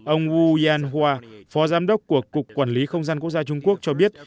ông wu yanhua phó giám đốc của cục quản lý không gian quốc gia trung quốc cho biết